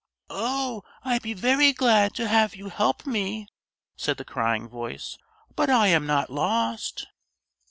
"Oh, I'd be very glad to have you help me," said the crying voice, "but I am not lost."